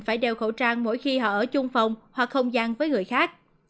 phải đeo khẩu trang mỗi khi họ ở chung phòng hoặc không gian với người khác